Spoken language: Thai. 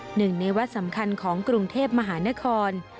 หนึ่งในวัดสำคัญของกรุงเทพมหานคร